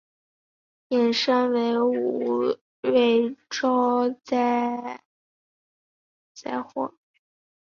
引申为无端招惹灾祸。